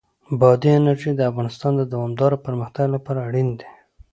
بادي انرژي د افغانستان د دوامداره پرمختګ لپاره اړین دي.